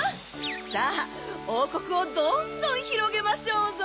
さぁおうこくをどんどんひろげましょうぞ！